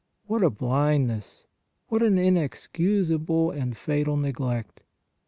" What a blindness! What an inexcusable and fatal neg 26 PRAYER lect?